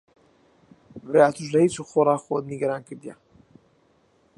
برا ئەتووش لە هیچ و خۆڕا خۆت نیگەران کردییە.